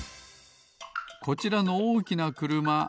こちらのおおきなくるま。